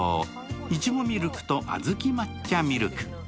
いちごミルクとあずき抹茶ミルク。